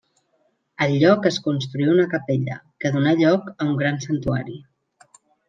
Al lloc es construí una capella, que donà lloc a un gran santuari.